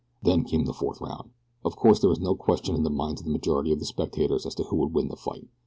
Then came the fourth round. Of course there was no question in the minds of the majority of the spectators as to who would win the fight.